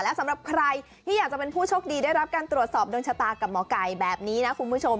และสำหรับใครที่อยากจะเป็นผู้โชคดีได้รับการตรวจสอบดวงชะตากับหมอไก่แบบนี้นะคุณผู้ชม